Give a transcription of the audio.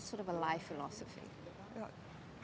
tapi juga sebagai filosofi hidup